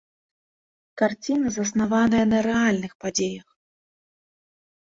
Карціна заснаваная на рэальных падзеях.